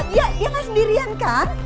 dia gak sendirian kan